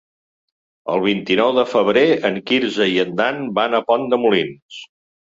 El vint-i-nou de febrer en Quirze i en Dan van a Pont de Molins.